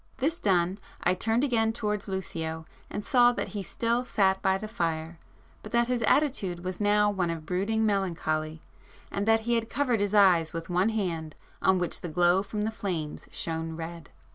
This done, I turned again towards Lucio and saw that he still sat by the fire, but that his attitude was now one of brooding melancholy, and that he had covered his eyes with one hand on which the glow from the flames shone red.